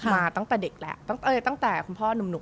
มาตั้งแต่เด็กแล้วตั้งแต่คุณพ่อหนุ่ม